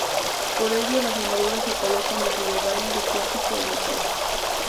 Por ello las armaduras se colocan dentro de vainas de plástico o metal.